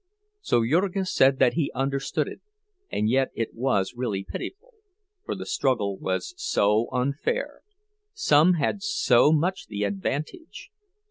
So Jurgis said that he understood it; and yet it was really pitiful, for the struggle was so unfair—some had so much the advantage!